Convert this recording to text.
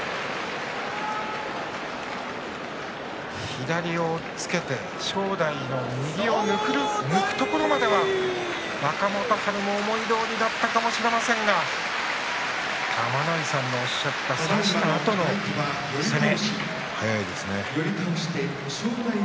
左を押っつけて正代の右を抜くところまでは若元春の思いどおりだったかもしれませんが玉ノ井さんもおっしゃった差したあとの攻め。